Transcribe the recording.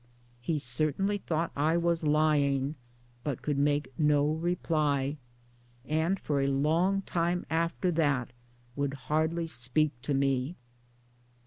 He certainly thought I was lying, but could make no reply. And for a long time after that would hardly speak to me.